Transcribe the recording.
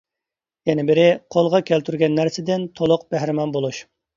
يەنە بىرى، قولغا كەلتۈرگەن نەرسىدىن تولۇق بەھرىمەن بولۇش.